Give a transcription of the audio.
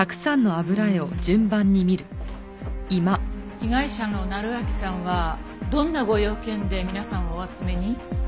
被害者の成章さんはどんなご用件で皆さんをお集めに？